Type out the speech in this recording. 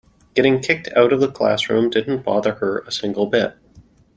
Getting kicked out of the classroom didn't bother her a single bit.